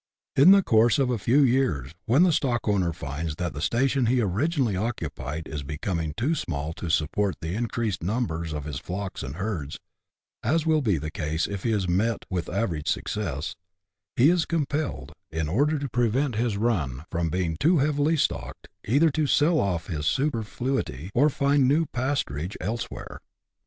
In the course of a few years, when the stock owner finds that the station he originally occupied is becoming too small to sup port the increased numbers of his flocks and herds, (as will be the case if he has met with average success,) he is compelled, in order to prevent his " run" from being too heavily stocked, either to sell off his superfluity, or find new pasturage elsewhere.